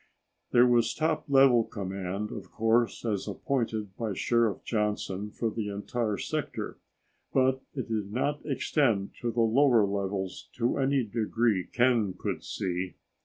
There was top level command, of course, as appointed by Sheriff Johnson for the entire sector, but it did not extend to the lower levels in any degree Ken could see.